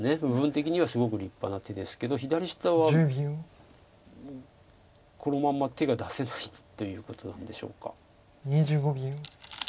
部分的にはすごく立派な手ですけど左下はこのまんま手が出せないということなんでしょうか。